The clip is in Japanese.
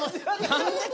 何で？